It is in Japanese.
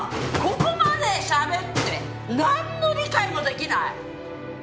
ここまでしゃべってなんの理解もできない！